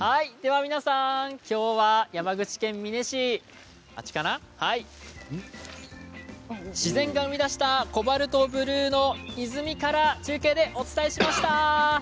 今日は山口県美祢市自然が生み出したコバルトブルーの泉から中継でお伝えしました。